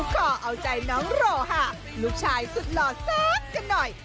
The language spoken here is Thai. ขอเอาใจน้องโรหะลูกชายสุดหล่อแซ่บกันหน่อย